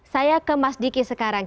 saya ke mas diki sekarang